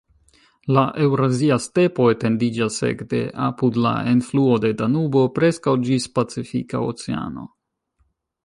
La Eŭrazia Stepo etendiĝas ekde apud la enfluo de Danubo preskaŭ ĝis Pacifika Oceano.